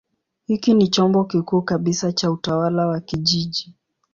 Hiki ni chombo kikuu kabisa cha utawala wa kijiji.